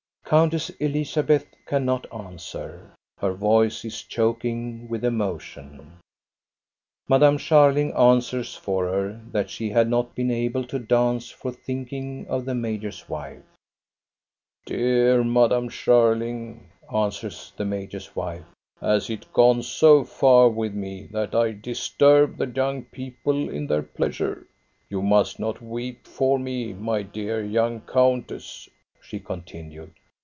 '* Countess Elizabeth cannot answer. Her voice is choking with emotion. Madame Scharling answers for her, that she had not been able to dance for think ing of the major's wife. "Dear Madame Scharling," answers the major's wife, " has it gone so far with me that I disturb the young people in their pleasure? You must not weep for me, my dear young countess," she continued.